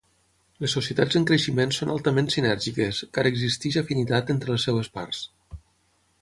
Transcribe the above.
Les societats en creixement són altament sinèrgiques, car existeix afinitat entre les seves parts.